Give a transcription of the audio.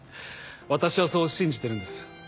私はそう信じてるんです。